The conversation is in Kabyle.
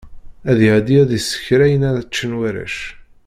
Ad iɛeddi ad isker ayen ara ččen warrac.